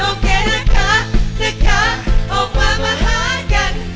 โอเคนะคะออกมามาหากัน